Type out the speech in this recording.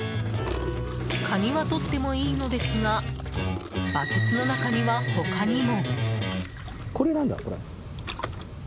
カニはとってもいいのですがバケツの中には他にも。